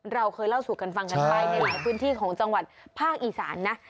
เราเคยเล่าสู่กันฟังกันไปในหลายพื้นที่ของจังหวัดภาคอีสานนะ